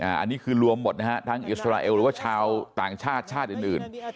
อันนี้คือรวมหมดนะฮะทั้งอิสราเอลหรือว่าชาวต่างชาติชาติอื่น